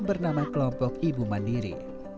bernama kelompok ibu mandiri